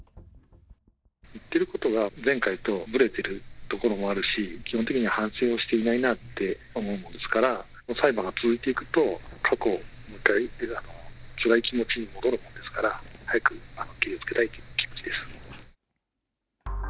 言ってることが前回とぶれてるところもあるし、基本的には反省をしていないなって思うもんですから、裁判が続いていくと、過去をもう一回、つらい気持ちに戻るものですから、早くけりをつけたいっていう気持